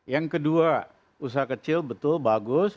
yang kedua usaha kecil betul bagus